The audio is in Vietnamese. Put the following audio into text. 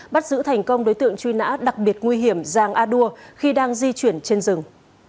bắt giữ thành công đối tượng truy nã đặc biệt nguy hiểm giàng a đua khi đang di chuyển trên rừng